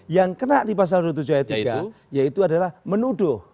yang kena di pasal dua puluh tujuh ayat tiga yaitu adalah menuduh